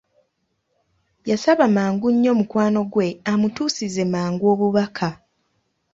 Yasaba mangu nnyo mukwano gwe amutuusize mangu obubaka.